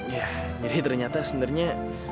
ya jadi ternyata sebenernya